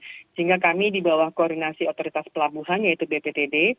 sehingga kami di bawah koordinasi otoritas pelabuhan yaitu bptd